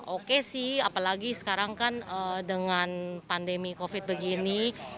oke sih apalagi sekarang kan dengan pandemi covid begini